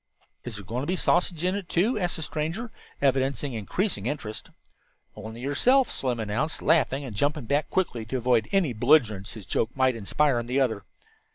"Is there going to be a sausage in it, too?" asked the stranger, evidencing increasing interest. "Only yourself," Slim announced, laughing and jumping back quickly to avoid any belligerency his joke might inspire in the other.